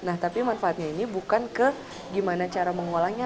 nah tapi manfaatnya ini bukan ke gimana cara mengolahnya